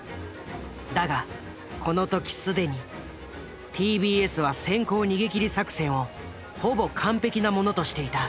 だがこの時既にＴＢＳは先行逃げ切り作戦をほぼ完璧なものとしていた。